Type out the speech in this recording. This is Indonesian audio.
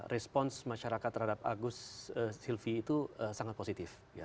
response masyarakat terhadap agus sylvie itu sangat positif